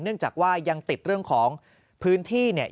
เนื่องจากว่ายังติดเรื่องของพื้นที่เนี่ย